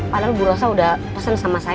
padahal bu rosa udah pesen sama saya